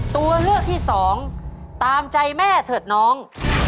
ตัวเลือกที่สองตามใจแม่เถอะน้อง